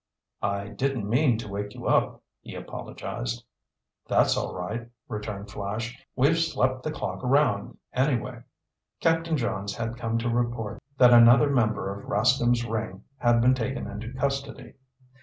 "I didn't mean to wake you up," he apologized. "That's all right," returned Flash. "We've slept the clock around anyway." Captain Johns had come to report that another member of Rascomb's ring had been taken into custody.